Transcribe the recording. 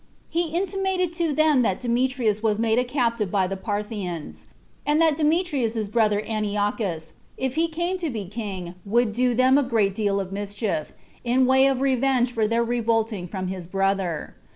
He intimated to them that Demetrius was made a captive by the Parthians; and that Demetrius's brother Atitiochus, if he came to be king, would do them a great deal of mischief, in way of revenge for their revolting from his brother.